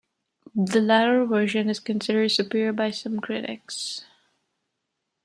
The latter version is considered superior by some critics.